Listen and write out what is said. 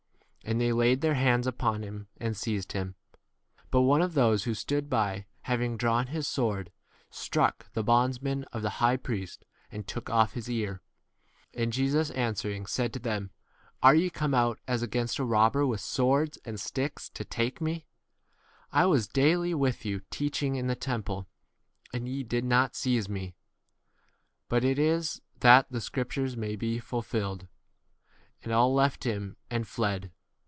And they laid their hands upon him, 4 7 and seized him : but one of those who stood by, having drawn his sword, struck the bondsman of the high priest, and took off his 48 ear. And Jesus answering said to them, Are ye come out as against a robber, with swords and 49 sticks to take me ? I was daily with you teaching in the temple, and ye did not seize me : but [it is] that the scriptures may be 50 fulfilled. And all left him and 51 fled.